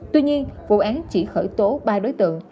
tuy nhiên vụ án chỉ khởi tố ba đối tượng